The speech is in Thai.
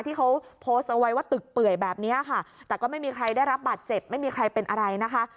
ที่เขาโพสต์เอาไว้ว่าตึกเปื่อยแบบนี้ค่ะแต่ก็ไม่มีใครได้รับบาดเจ็บไม่มีใครเป็นอะไรนะคะ